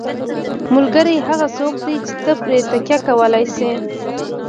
ملګری هغه څوک دی چې ته پرې تکیه کولی شې.